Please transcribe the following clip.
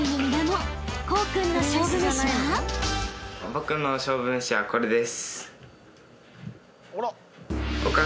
僕の勝負めしはこれです。